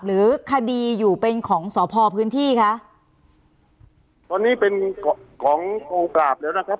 หรือคดีอยู่เป็นของสพพื้นที่คะตอนนี้เป็นของกองปราบแล้วนะครับ